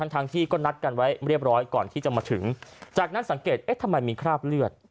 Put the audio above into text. ทั้งที่ก็นัดกันไว้เรียบร้อยก่อนที่จะมาถึงจากนั้นสังเกตเอ๊ะทำไมมีคราบเลือด